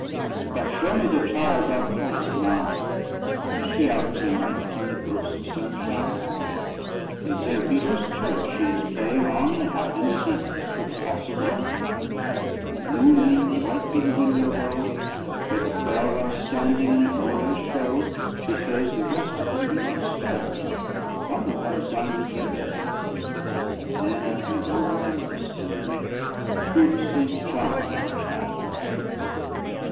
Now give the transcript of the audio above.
"But show me the child thou callest mine, Is she out to night in the ghost's sunshine?" "In St. Peter's Church she is playing on, At hide and seek, with Apostle John. When the moonbeams right through the window go, Where the twelve are standing in glorious show, She says the rest of them do not stir, But one comes down to play with her. Then I can go where I list, and weep, For good St. John my child will keep."